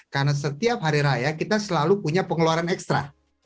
karena setiap hari raya kita selalu punya pengeluaran ekstra